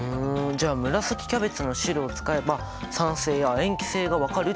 じゃあ紫キャベツの汁を使えば酸性や塩基性が分かるってこと？